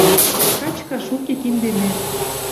Качкаш уке киндемӓт.